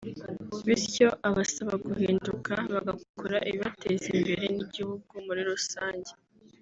bityo abasaba guhinduka bagakora ibibateza imbere n’igihugu muri rusange